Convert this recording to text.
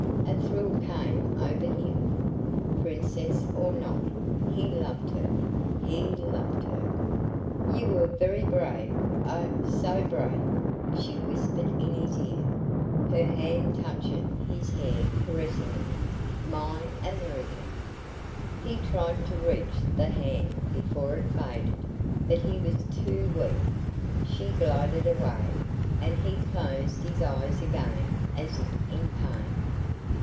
A thrill came over him. Princess or not, he loved her he loved her! "You were very brave oh, so brave!" she whispered in his ear, her hand touching his hair caressingly. "My American!" He tried to reach the hand before it faded, but he was too weak. She glided away, and he closed his eyes again as if in pain.